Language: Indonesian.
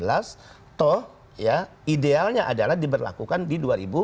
toh idealnya adalah diberlakukan di dua ribu dua puluh